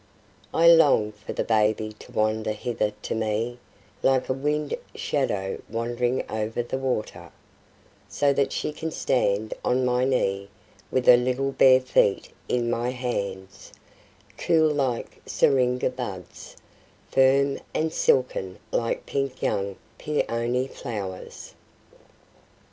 I long for the baby to wander hither to meLike a wind shadow wandering over the water, So that she can stand on my kneeWith her little bare feet in my hands, Cool like syringa buds, Firm and silken like pink young peony flowers.